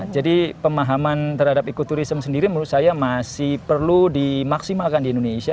jadi pemahaman terhadap ekoturism sendiri menurut saya masih perlu dimaksimalkan di indonesia